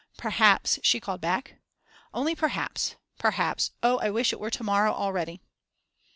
Perhaps, she called back. ... Only perhaps, perhaps, oh I wish it were to morrow already.